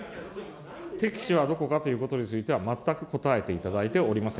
適地はどこかということについては全く答えていただいておりません。